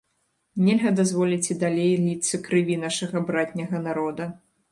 Нельга дазволіць і далей ліцца крыві нашага братняга народа.